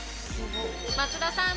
松田さん